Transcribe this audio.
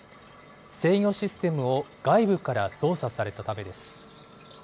制御システムを外部から操作されたためです。